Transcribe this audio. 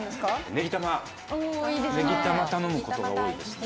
ねぎ玉頼むことが多いですね